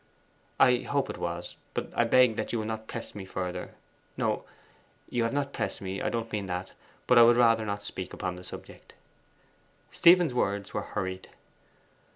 'I hope it was. But I beg that you will not press me further: no, you have not pressed me I don't mean that but I would rather not speak upon the subject.' Stephen's words were hurried.